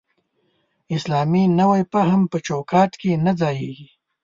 اسلامي نوی فهم په چوکاټ کې نه ځایېږي.